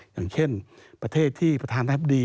อย่างเช่นประเทศที่ประธานทัพดี